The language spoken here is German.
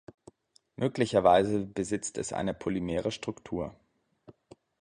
Möglicherweise besitzt es eine polymere Struktur.